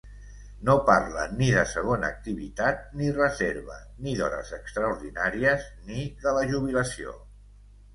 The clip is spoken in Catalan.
No parlen ni de segona activitat ni reserva, ni d'hores extraordinàries, ni de la jubilació.